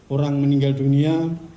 orang meninggal dunia